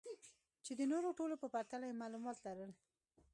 چې د نورو ټولو په پرتله يې معلومات لرل.